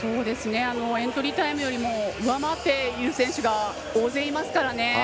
エントリータイムよりも上回っている選手が大勢いますからね。